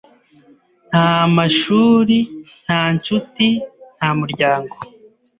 nta mashuri, nta nshuti, nta muryango.